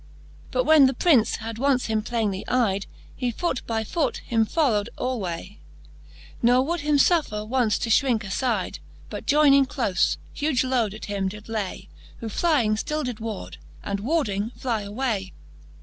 But when the Prince had once him plainely eyde, He foot by foot him followed alway^ Ne would him fuffer once to fhrinke afyde. But joyning clofe, huge lode at him did lay: Who flying ftill did ward, and warding fly away.